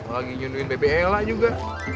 lagi nyungguin bebek ella juga